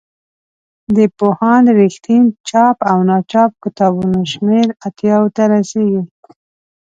د پوهاند رښتین چاپ او ناچاپ کتابونو شمېر اتیاوو ته رسیږي.